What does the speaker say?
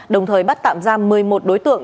đồng thời bắt tạm giam một mươi một đối tượng